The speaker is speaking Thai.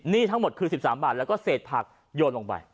นี่ทั้งหมดคือสิบสามบาทแล้วก็เศษผักโยนลงไป